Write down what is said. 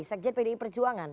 sekjen pdi perjuangan